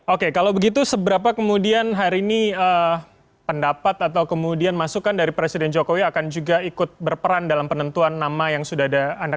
oke kalau begitu seberapa kemudian hari ini pendapat atau kemudian masukan dari presiden jokowi akan juga ikut berperan dalam penentuan nama yang sudah ada